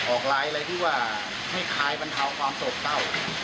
ออกไลน์อะไรที่ว่าให้คลายบรรเทาความโศกเศร้า